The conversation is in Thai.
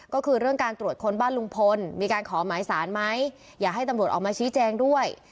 ก็คือเรื่องการตรวจค้นบ้านลุงพลมีการขอหมายสารไหมอยากให้ตำรวจออกมาชี้แจงด้วย